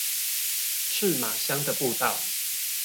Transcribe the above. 赤馬鄉的步道